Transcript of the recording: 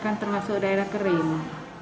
kan termasuk daerah kering